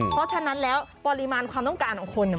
เพราะฉะนั้นแล้วปริมาณความต้องการของคนเนี่ย